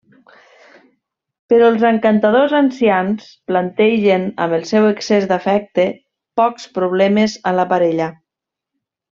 Però els encantadors ancians plantegen amb el seu excés d'afecte pocs problemes a la parella.